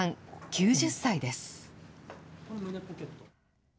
９０歳です。